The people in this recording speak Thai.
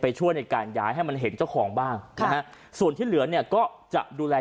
ช่วยในการย้ายให้มันเห็นเจ้าของบ้างนะฮะส่วนที่เหลือเนี่ยก็จะดูแล